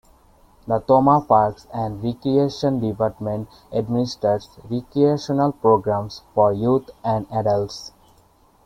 The Tomah Parks and Recreation Department administers recreational programs for youth and adults.